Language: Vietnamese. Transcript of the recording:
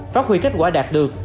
phát huy kết quả đạt được